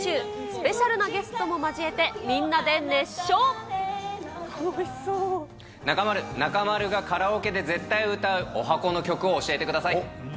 スペシャルなゲストも交えて、中丸、中丸がカラオケで絶対歌うおはこの曲を教えてください。